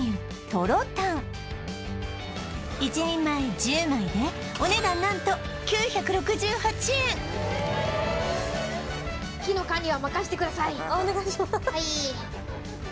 とろタン１人前１０枚でお値段何と９６８円お願いします